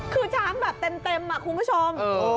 คือช้าบัตเต็มอะคุณผู้ชม